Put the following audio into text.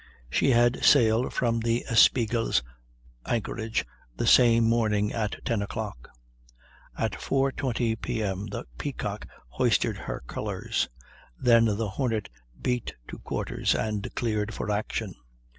She had sailed from the Espiègle's anchorage the same morning at 10 o'clock. At 4.20 P.M. the Peacock hoisted her colors; then the Hornet beat to quarters and cleared for action.